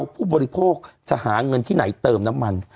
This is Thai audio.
พวกจะหาเงินที่ไหนเติมน้ำมัน